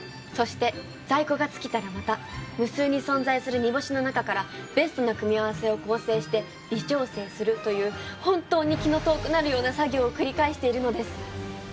そして在庫が尽きたらまた無数に存在する煮干しの中からベストな組み合わせを構成して微調整するという本当に気の遠くなるような作業を繰り返しているのです。